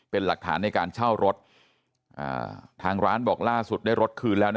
เป็นหลักฐานในการเช่ารถทางร้านบอกล่าสุดได้รถคืนแล้วนะ